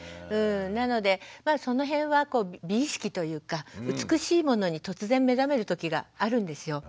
なのでその辺は美意識というか美しいものに突然目覚める時があるんですよ。